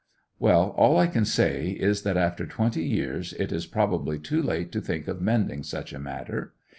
'Well, all I can say is that after twenty years it is probably too late to think of mending such a matter.